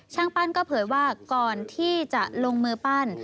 ช่างปั้นก็เผยว่าก่อนที่จะลงมือปั้น